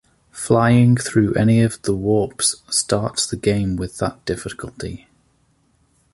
Flying through any of the Warps starts the game with that difficulty.